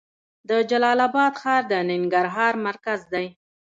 د جلال اباد ښار د ننګرهار مرکز دی